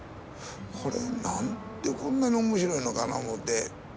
これなんでこんなに面白いのかな思って。